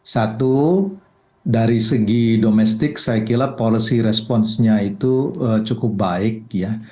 satu dari segi domestik saya kira policy responsenya itu cukup baik ya